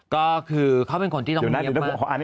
ก็คือเขาเป็นคนที่ต้องเงียบมาก